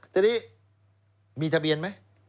ทีนี้มีทะเบียนไหม